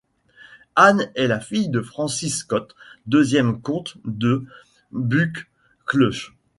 Anne est la fille de Francis Scott, deuxième comte de Buccleuch.